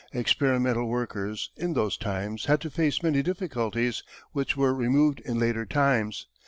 Experimental workers, in those times, had to face many difficulties which were removed in later times.